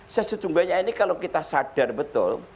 sejujurnya ini kalau kita sadar betul